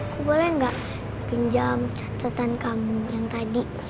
aku boleh gak pinjam catatan kamu yang tadi